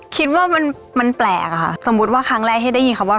คิดว่ามันแปลกอะค่ะสมมุติว่าครั้งแรกที่ได้ยินคำว่า